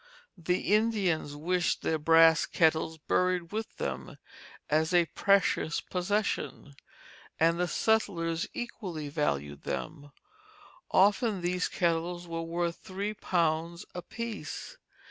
The Indians wished their brass kettles buried with them as a precious possession, and the settlers equally valued them; often these kettles were worth three pounds apiece.